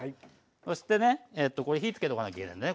そしてねこれ火つけとかなきゃいけないのね